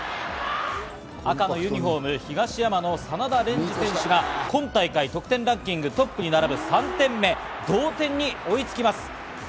赤のユニフォーム、東山の真田蓮司選手が今大会、得点ランキングトップに並ぶ３点目、同点に追いつきます。